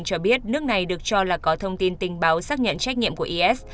cho biết nước này được cho là có thông tin tình báo xác nhận trách nhiệm của is